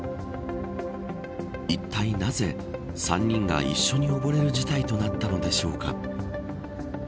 いったいなぜ３人が一緒に溺れる事態となったのでしょうか。